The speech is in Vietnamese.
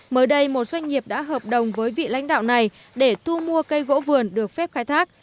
mới đây một doanh nghiệp đã hợp đồng với vị lãnh đạo này để thu mua cây gỗ vườn được phép khai thác